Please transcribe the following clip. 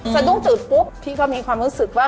สะดุ้งจุดปุ๊บพี่ก็มีความรู้สึกว่า